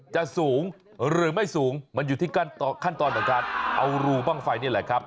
จะสูงหรือไม่สูงมันอยู่ที่ขั้นตอนของการเอารูบ้างไฟนี่แหละครับ